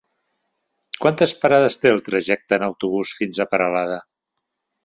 Quantes parades té el trajecte en autobús fins a Peralada?